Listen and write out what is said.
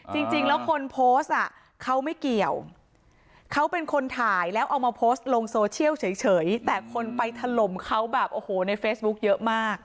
จริงแล้วคนโพสต์อ่ะเขาไม่เกี่ยวเขาเป็นคนถ่ายแล้วเอามาโพสต์ลงโซเชียลเฉยแต่คนไปถล่มเขาแบบโอ้โหในเฟซบุ๊คเยอะมาก